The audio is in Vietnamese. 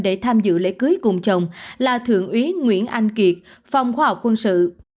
để tham dự lễ cưới cùng chồng là thượng úy nguyễn anh kiệt phòng khoa học quân sự